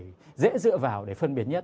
người dễ dựa vào để phân biệt nhất